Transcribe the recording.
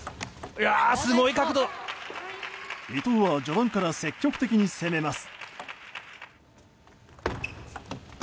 伊藤は序盤から積極的に攻めます。